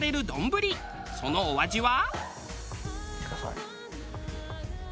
そのお味は？